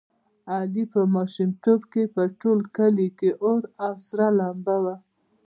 علي په ماشومتوب کې په ټول کلي کې اور او سره لمبه و.